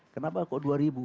kenapa kok dua